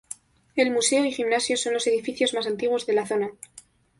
El museo y gimnasio son los edificios más antiguos de la zona.